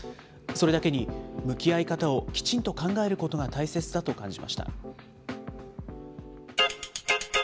それだけに、向き合い方をきちんと考えることが大切だと感じました。